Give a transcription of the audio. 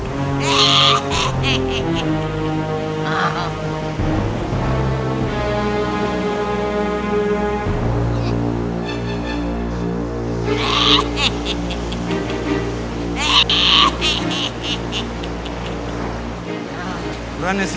sampai jumpa lagi